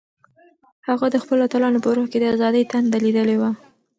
هغه د خپلو اتلانو په روح کې د ازادۍ تنده لیدلې وه.